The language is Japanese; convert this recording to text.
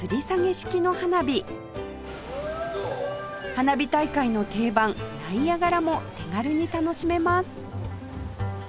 花火大会の定番ナイアガラも手軽に楽しめます